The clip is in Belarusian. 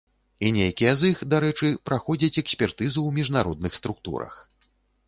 І нейкія з іх, дарэчы, праходзяць экспертызу ў міжнародных структурах.